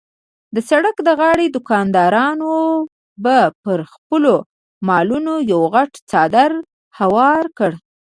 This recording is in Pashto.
د سړک د غاړې دوکاندارانو به پر خپلو مالونو یو غټ څادر هوار کړ.